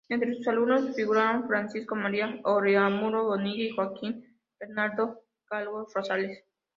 Entre sus alumnos figuraron Francisco María Oreamuno Bonilla y Joaquín Bernardo Calvo Rosales.